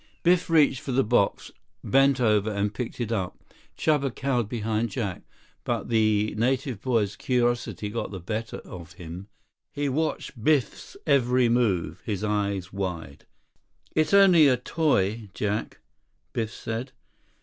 Biff reached for the box, bent over, and picked it up. Chuba cowered behind Jack. But the native boy's curiosity got the better of him. He watched Biff's every move, his eyes wide. 52 "It's only a toy, Jack," Biff said.